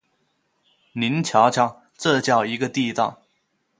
您瞧瞧，这叫一个地道！